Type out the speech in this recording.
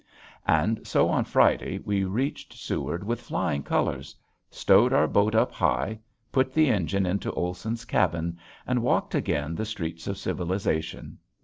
And so on Friday we reached Seward with flying colors, stowed our boat up high, put the engine into Olson's cabin, and walked again the streets of civilization.